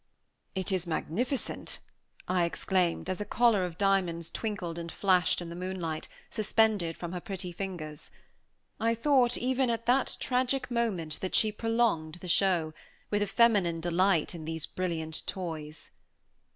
"It is magnificent!" I exclaimed, as a collar of diamonds twinkled and flashed in the moonlight, suspended from her pretty fingers. I thought, even at that tragic moment, that she prolonged the show, with a feminine delight in these brilliant toys.